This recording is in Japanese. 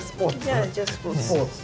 じゃあスポーツ。